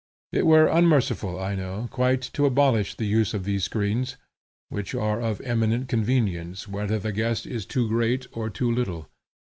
It were unmerciful, I know, quite to abolish the use of these screens, which are of eminent convenience, whether the guest is too great or too little.